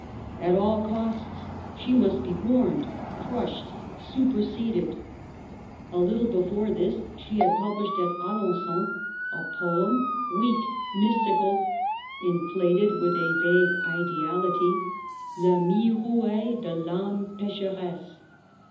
At all costs, she must be warned, crushed, superseded. A little A before this she had published at Alengon a poem, weak, mystical, inflated with a vague A ideality, —" Le Myrouer de I'Ame Pecheresse."